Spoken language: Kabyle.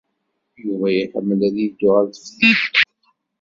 Yuba iḥemmel ad yeddu ɣer teftist.